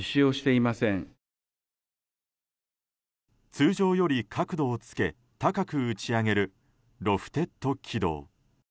通常より角度をつけ高く打ち上げるロフテッド軌道。